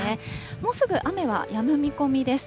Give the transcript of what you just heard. もうすぐ雨はやむ見込みです。